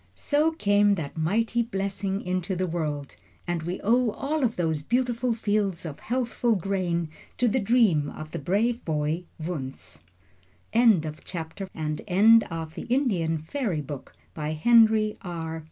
So came that mighty blessing into the world, and we owe all of those beautiful fields of healthful grain to the dream of the brave boy Wunzh. THE END End of Project Gutenberg's The Indian Fairy Book, by Henry R.